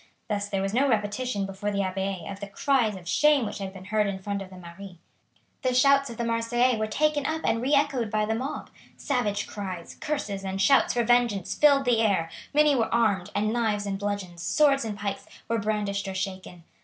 Thus there was no repetition before the Abbaye of the cries of shame which had been heard in front of the Maine. The shouts of the Marseillais were taken up and re echoed by the mob. Savage cries, curses, and shouts for vengeance filled the air; many were armed, and knives and bludgeons, swords and pikes, were brandished or shaken.